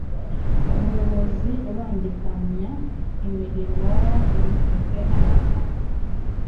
umuyobozi ubangikanya imirimo ibujijwe arahanwa